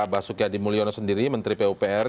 basuki adi mulyono sendiri menteri pupr